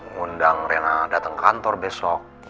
ngundang rena datang kantor besok